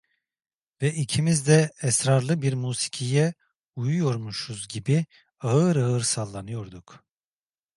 Ve ikimiz de esrarlı bir musikiye uyuyormuşuz gibi ağır ağır sallanıyorduk…